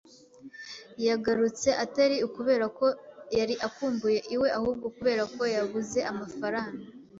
Yagarutse atari ukubera ko yari akumbuye iwe, ahubwo kubera ko yabuze amafaranga